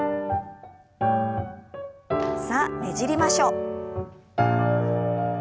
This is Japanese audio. さあねじりましょう。